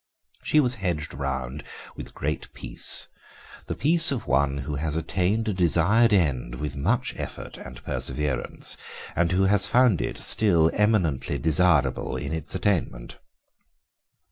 She was hedged round with a great peace, the peace of one who has attained a desired end with much effort and perseverance, and who has found it still eminently desirable in its attainment.